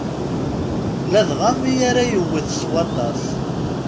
Ladɣa mi ara yewwet s waṭas.